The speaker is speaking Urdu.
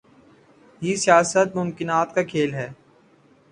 ہی سیاست ممکنات کا کھیل ہے۔